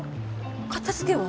片付けは？